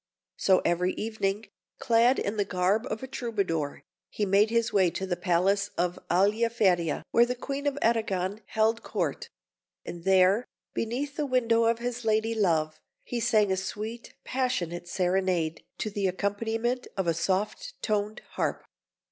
So, every evening, clad in the garb of a Troubadour, he made his way to the palace of Aliaferia, where the Queen of Arragon held Court; and there, beneath the window of his lady love, he sang a sweet, passionate serenade, to the accompaniment of a soft toned harp.